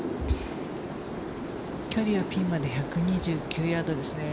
距離はピンまで１２９ヤードですね。